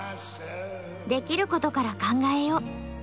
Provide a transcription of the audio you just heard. できることから考えよう」。